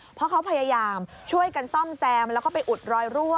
เพราะเขาพยายามช่วยกันซ่อมแซมแล้วก็ไปอุดรอยรั่ว